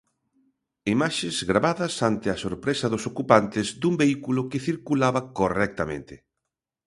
Imaxes gravadas ante a sorpresa dos ocupantes dun vehículo que circulaba correctamente.